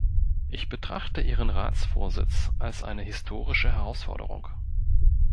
Ich betrachte Ihren Ratsvorsitz als eine historische Herausforderung.